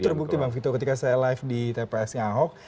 dan itu terbukti bang fito ketika saya live di tpsnya ahok